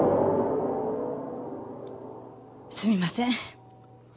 すみません。